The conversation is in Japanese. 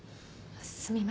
すみません。